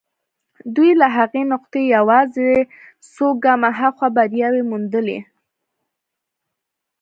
دوی له هغې نقطې يوازې څو ګامه هاخوا برياوې موندلې.